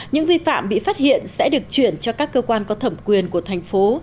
những vi phạm bị phát hiện sẽ được chuyển cho các cơ quan có thẩm quyền của thành phố